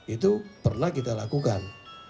itu pernah kita lakukan